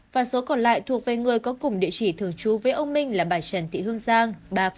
và số còn lại thuộc về người có cùng địa chỉ thường trú với ông minh là bà trần thị hương giang